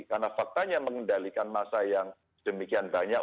karena faktanya mengendalikan masa yang demikian banyak